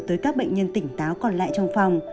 tới các bệnh nhân tỉnh táo còn lại trong phòng